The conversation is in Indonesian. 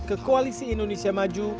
ke koalisi indonesia maju